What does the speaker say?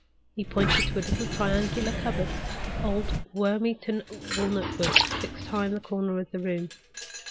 He pointed to a little triangular cupboard of old worm eaten walnut wood fixed high in a corner of the room.